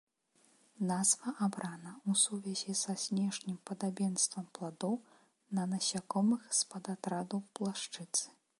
Назва абрана ў сувязі са знешнім падабенствам пладоў на насякомых з падатраду блашчыцы.